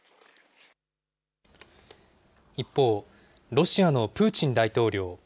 一方、ロシアのプーチン大統領。